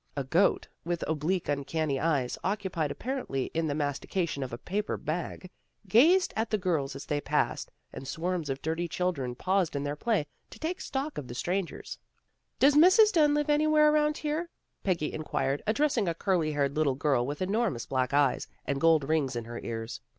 A goat, with oblique, uncanny eyes, occupied apparently in the mastication of a paper bag, gazed at the girls as they passed, and swarms of dirty chil dren paused hi their play to take stock of the strangers. " Does Mrs. Dunn live anywhere around here? " Peggy inquired, addressing a curly haired little girl with enormous black eyes, and gold rings in her ears.